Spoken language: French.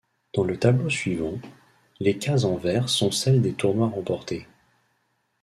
Dans le tableau suivant, les cases en vert sont celles des tournois remportés.